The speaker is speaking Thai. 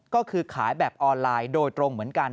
ก็คือขายแบบออนไลน์โดยตรงเหมือนกัน